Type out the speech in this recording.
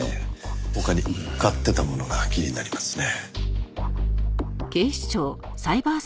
他に買ってたものが気になりますね。